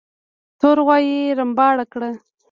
تور غوايي رمباړه کړه.